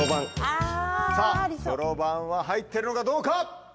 さぁそろばんは入ってるのかどうか？